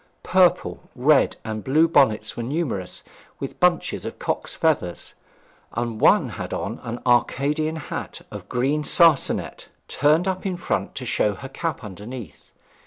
Purple, red, and blue bonnets were numerous, with bunches of cocks' feathers; and one had on an Arcadian hat of green sarcenet, turned up in front to show her cap underneath.